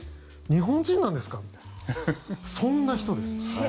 日本人なんですかみたいなそんな人です。